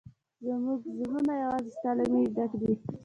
زموږ زړونه یوازې ستا له مینې ډک دي.